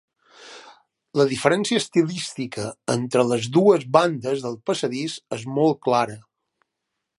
La diferència estilística entre les dues bandes del passadís és molt clara.